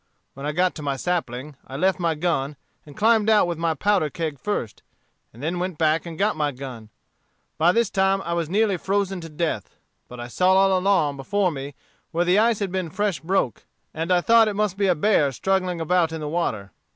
When I got to my sapling, I left my gun, and climbed out with my powder keg first, and then went back and got my gun. By this time, I was nearly frozen to death; but I saw all along before me where the ice had been fresh broke, and I thought it must be a bear struggling about in the water.